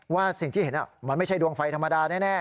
ว่าสิ่งที่เห็นมันไม่ใช่ดวงไฟธรรมดาแน่